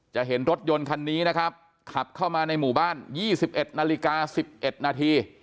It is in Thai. เห็นรถยนต์คันนี้นะครับขับเข้ามาในหมู่บ้าน๒๑นาฬิกา๑๑นาที